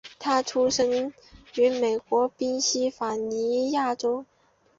他出生于美国宾夕法尼亚州。